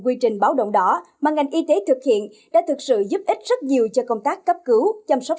với điều rõ mà ngành y tế thực hiện đã thực sự giúp ích rất nhiều cho công tác cấp cứu chăm sóc